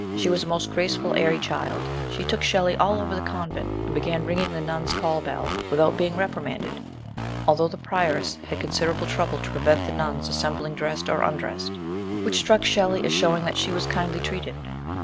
She was a most graceful, airy child; she took Shelley all over the convent, and began ringing the nun's call bell, without being reprimanded although the prioress had considerable trouble to prevent the 156 MRS. SHELLEY. nuns assembling dressed or undressed which struck Shelley as showing that she was kindly treated.